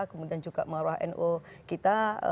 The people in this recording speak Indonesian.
kemudian juga maruah nu kita